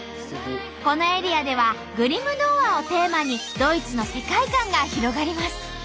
このエリアでは「グリム童話」をテーマにドイツの世界観が広がります。